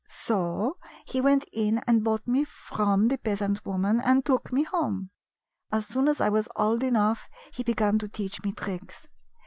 "So lie went in and bought me from the peasant woman and took me home. As soon as I was old enough he began to teach me tricks.